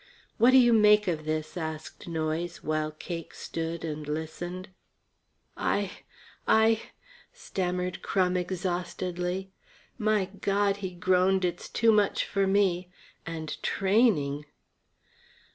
"What do you make of this?" asked Noyes, while Cake stood and listened. "I I " stammered Crum exhaustedly. "My God," he groaned, "it's too much for me. And training!"